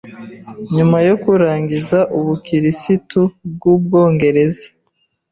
nyuma yo kurangiza ubukirisitu bwUbwongereza